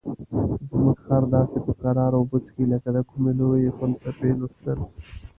زموږ خر داسې په کراره اوبه څښي لکه د کومې لویې فلسفې لوستل.